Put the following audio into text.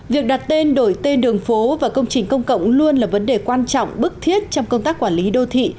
việc đặt tên đổi tên đường phố và công trình công cộng luôn là vấn đề quan trọng bức thiết trong công tác quản lý đô thị